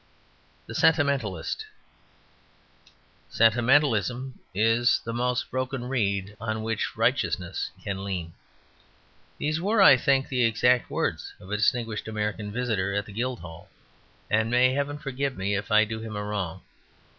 The Sentimentalist "Sentimentalism is the most broken reed on which righteousness can lean"; these were, I think, the exact words of a distinguished American visitor at the Guildhall, and may Heaven forgive me if I do him a wrong.